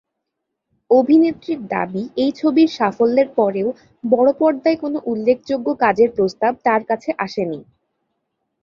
অভিনেত্রীর দাবি এই ছবির সাফল্যের পরেও বড়পর্দায় কোন উল্লেখযোগ্য কাজের প্রস্তাব তার কাছে আসেনি।